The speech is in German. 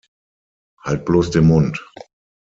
Halt bloß den Mund!